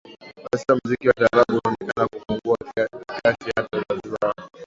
Kwa sasa mziki wa taarabu unaonekana kupungua kasi hata zanzibar